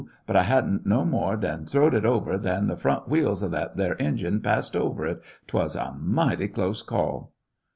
But I had n't no more than throwed it over than the front wheels of that there engine passed over it. 'T was a mighty close call."